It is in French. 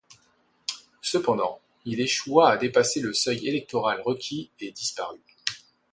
Cependant, il échoua à dépasser le seuil électoral requis et disparut.